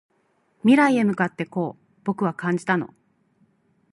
未来へ向かってこう僕は感じたの